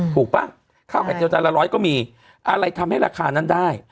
ป่ะข้าวไข่เจียจานละร้อยก็มีอะไรทำให้ราคานั้นได้